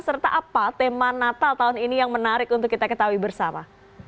serta apa tema natal tahun ini yang menarik untuk kita ketahui bersama